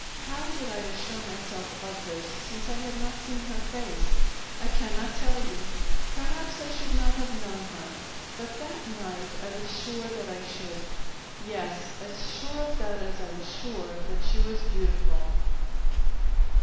How did I assure myself of this since I had not seen her face? I cannot tell you. Perhaps I should not have known her; but that night I was sure that I should. Yes, as sure of that as I was sure that she was beautiful!